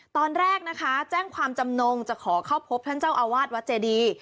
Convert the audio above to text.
ตอนแรกนะคะแจ้งความจำนงจะขอเข้าพบท่านเจ้าอาวาสวัดเจดี